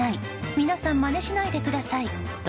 皆さん、まねしないでくださいと